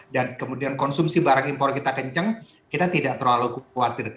dan kemudian konsumsi barang impor kita kencang kita tidak terlalu khawatir